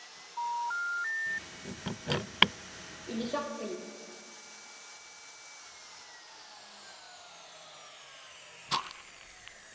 Iḷisaqpiñ?